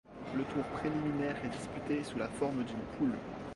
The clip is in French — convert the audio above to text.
Le tour préliminaire est disputé sous la forme d'une poule.